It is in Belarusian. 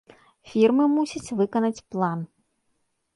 Фірмы мусяць выканаць план.